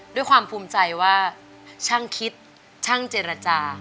ด้วยความภูมิใจว่าช่างคิดช่างเจรจา